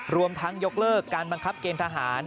รวมทั้งยกเลิกการบังคับเกณฑหาร